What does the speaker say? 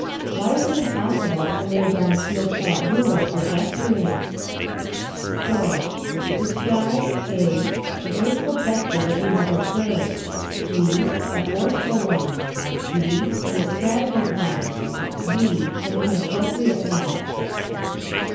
Why is it impossible to lay down steel clad rules for gesturing? 4. Describe (a) a graceful gesture that you have observed; (b) a forceful one; (c) an extravagant one; (d) an inappropriate one.